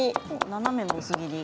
斜めの薄切り。